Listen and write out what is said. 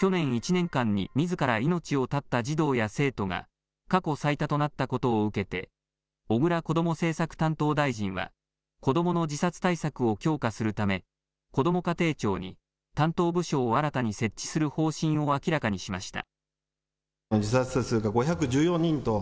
去年１年間に、みずから命を絶った児童や生徒が過去最多となったことを受けて、小倉こども政策担当大臣は、子どもの自殺対策を強化するため、こども家庭庁に担当部署を新たに設置する方針を明らかにしました。